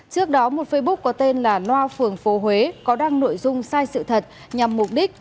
trước đó một facebook có tên là loa phường phố huế có đăng nội dung sai sự thật nhằm mục đích